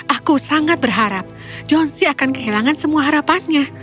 aku sangat berharap johnsy akan kehilangan semua harapannya